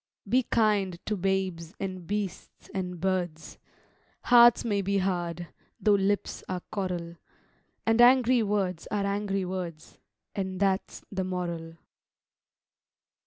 Be kind to babes and beasts and birds: Hearts may be hard, though lips are coral; And angry words are angry words: And that's the moral.